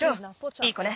いい子ね。